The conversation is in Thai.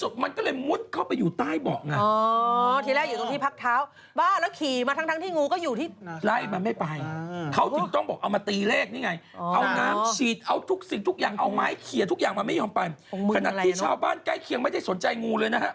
ขณะที่ชาวบ้านใกล้เคียงไม่ได้สนใจงูเลยนะฮะ